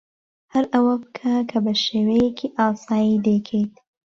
ھەر ئەوە بکە کە بە شێوەیەکی ئاسایی دەیکەیت.